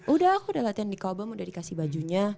udah aku udah latihan di kobom udah dikasih bajunya